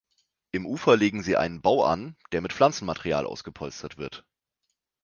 Im Ufer legen sie einen Bau an, der mit Pflanzenmaterial ausgepolstert wird.